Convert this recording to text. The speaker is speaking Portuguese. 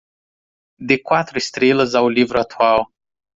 Dê quatro estrelas ao livro atual